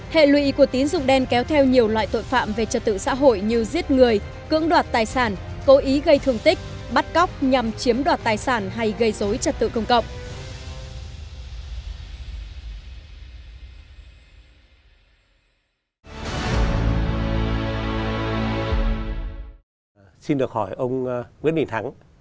hệ lụy của tín dụng đen kéo theo nhiều loại tội phạm về trật tự xã hội như giết người cưỡng đoạt tài sản cố ý gây thương tích bắt cóc nhằm chiếm đoạt tài sản hay gây dối trật tự công cộng